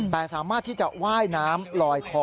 แต่สามารถที่จะว่ายน้ำลอยคอ